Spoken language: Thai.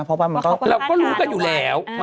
เราก็รู้กันอยู่แล้ว